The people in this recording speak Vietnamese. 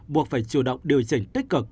buộc phải chủ động điều chỉnh tích cực